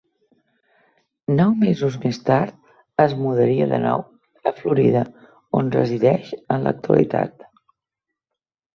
Nou mesos més tard, es mudaria de nou a Florida, on resideix en l'actualitat.